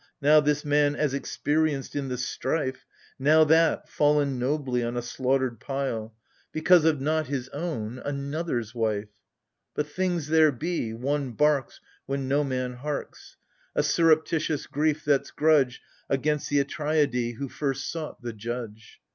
Now this man as experienced in the strife. Now that, fallen nobly on a slaughtered pile, 38 AGAMEMNON. Because of — not his own — another's wife. But things there be, one barks, When no man harks : A surreptitious grief that's grudge Against the Atreidai, who first sought the judge.